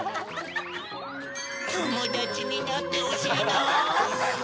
友達になってほしいな。